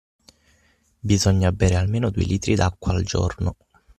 Bisogna bere almeno due litri d'acqua al giorno.